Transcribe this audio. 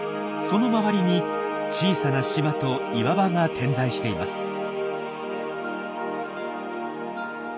その周りに小さな島と岩場が点在しています。